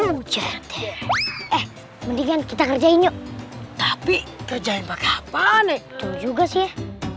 ujad eh mendingan kita kerjain yuk tapi kejahit bakal panik tuh juga sih